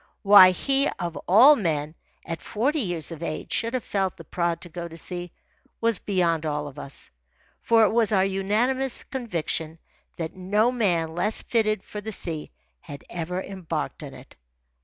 Why he, of all men, at forty years of age, should have felt the prod to go to sea, was beyond all of us; for it was our unanimous conviction that no man less fitted for the sea had ever embarked on it.